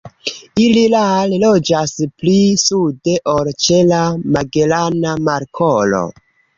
Ili rare loĝas pli sude ol ĉe la Magelana Markolo.